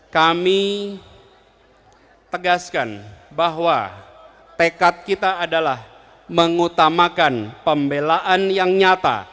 kami tegaskan bahwa tekad kita adalah mengutamakan pembelaan yang nyata